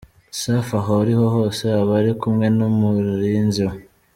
Safi aho ari hose aba ari kumwe n’umurinzi we.